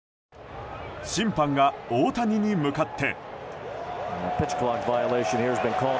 審判が大谷に向かって。